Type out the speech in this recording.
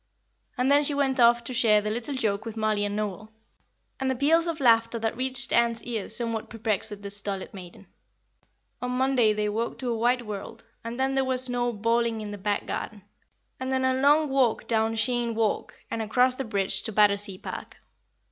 And then she went off to share the little joke with Mollie and Noel; and the peals of laughter that reached Ann's ears somewhat perplexed that stolid maiden. On Monday they woke to a white world, and then there was snow balling in the back garden, and then a long walk down Cheyne Walk and across the bridge to Battersea Park.